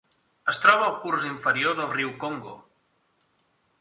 Es troba al curs inferior del riu Congo.